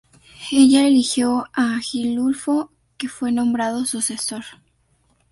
Ella eligió a Agilulfo, que fue nombrado sucesor.